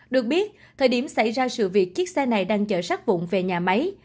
được biết thời điểm xảy ra sự việc chiếc xe này đang chở sát vụn về nhà máy